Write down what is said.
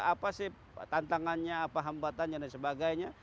apa sih tantangannya apa hambatannya dan sebagainya